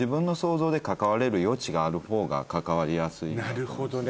なるほどね。